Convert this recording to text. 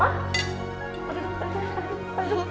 aduh sedikit sedikit